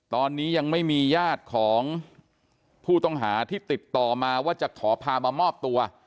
ตอนนี้ยังไม่มีญาติของผู้ต้องหาที่ติดต่อมาว่าจะขอพามามอบตัว